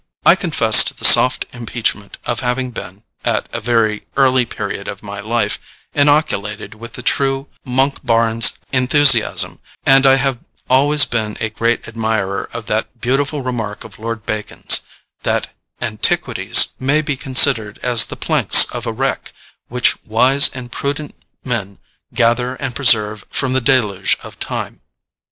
I confess to the soft impeachment of having been, at a very early period of my life, inoculated with the true Monkbarns enthusiasm, and I have always been a great admirer of that beautiful remark of Lord Bacon's, that 'antiquities may be considered as the planks of a wreck which wise and prudent men gather and preserve from the deluge of time.'